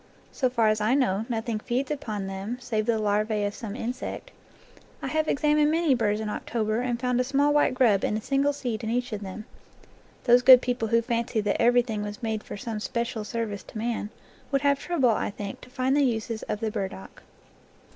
So far as I know, nothing feeds upon them, save the larvae of some insect. I have examined many burrs in October and found a small white grub in a single seed in each of them. Those good people who fancy that everything was made 'for some special service to man, would have trouble, I think, to find the uses of the burdock.